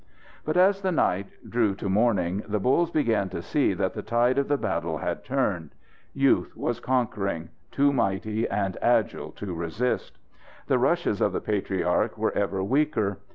But as the night drew to morning, the bulls began to see that the tide of the battle had turned. Youth was conquering too mighty and agile to resist. The rushes of the patriarch were ever weaker.